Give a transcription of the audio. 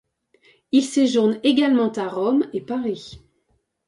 Il séjourne également à Rome et Paris.